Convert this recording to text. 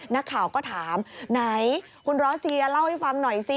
นักข่าวก็ถามไหนคุณร้อเซียเล่าให้ฟังหน่อยสิ